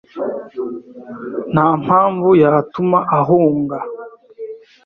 Nta mpamvu yatuma ahunga.